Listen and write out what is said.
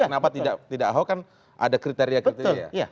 kenapa tidak ahok kan ada kriteria kriteria